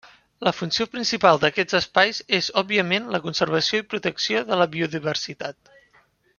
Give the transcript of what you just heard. La funció principal d'aquests espais és òbviament la conservació i protecció de la biodiversitat.